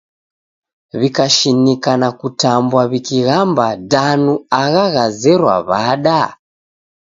W'ikashinika na kutambwa wikighamba danu agha ghazerwaa w'ada?